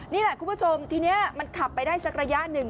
นี่แหละคุณผู้ชมทีนี้มันขับไปได้สักระยะหนึ่ง